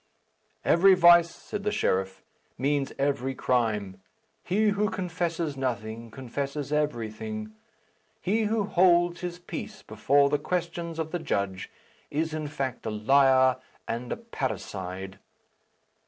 "Every vice," said the sheriff, "means every crime. He who confesses nothing, confesses everything. He who holds his peace before the questions of the judge is in fact a liar and a parricide."